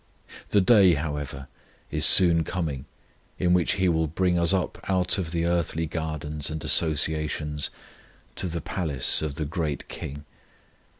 The day, however, is soon coming in which He will bring us up out of the earthly gardens and associations to the palace of the great KING.